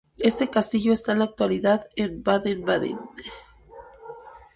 Este castillo está en la actualidad en Baden-Baden.